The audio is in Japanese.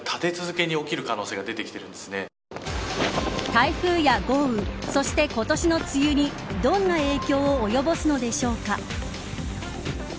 台風や豪雨そして今年の梅雨にどんな影響を及ぼすのでしょうか。